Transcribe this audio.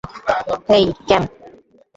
হেই, ক্যাম।